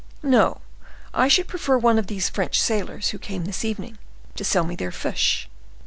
"No, I should prefer one of these French sailors who came this evening to sell me their fish.